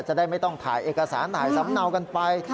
จะได้ไม่ต้องถ่ายเอกสารถ่ายสำเนากันไป